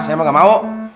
saya mah gak mau